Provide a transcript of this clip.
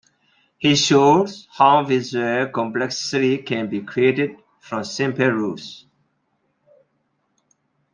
He showed how visual complexity can be created from simple rules.